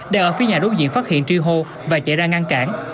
đang ở phía nhà đốt diện phát hiện tri hô và chạy ra ngăn cản